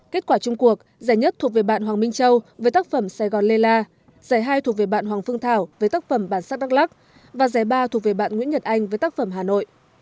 kết quả chung cuộc giải nhất thuộc về bạn hoàng minh châu với tác phẩm sài gòn lê la giải hai thuộc về bạn hoàng phương thảo với tác phẩm bản sắc đắk lắc và giải ba thuộc về bạn nguyễn nhật anh với tác phẩm hà nội